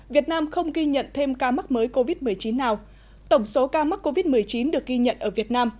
việt nam không ghi nhận thêm ca mắc mới covid một mươi chín nào tổng số ca mắc covid một mươi chín được ghi nhận ở việt nam